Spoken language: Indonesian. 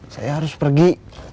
saya harus pergi